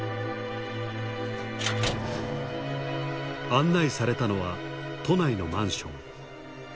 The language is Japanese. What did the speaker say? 案内されたのは都内のマンション。